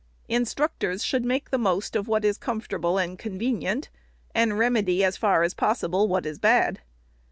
Instructors should make the most of what is comfortable and convenient, and remedy, as far as possible, what is bad.